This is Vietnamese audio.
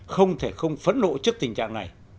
không thể không phấn nộ trước tình trạng này